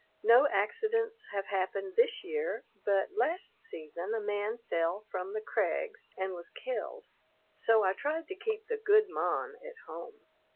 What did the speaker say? No accidents have happened this year, but last season a man fell from the crags and was killed; so I tried to keep the "good mon" at home.